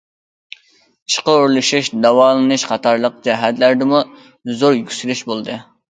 ئىشقا ئورۇنلىشىش، داۋالىنىش قاتارلىق جەھەتلەردىمۇ زور يۈكسىلىش بولدى.